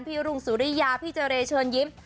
รุงสุริยาพี่เจรเชิญยิ้ม